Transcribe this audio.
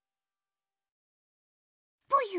ぽよ？